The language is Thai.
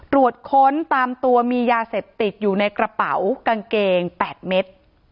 ค้นตามตัวมียาเสพติดอยู่ในกระเป๋ากางเกง๘เม็ด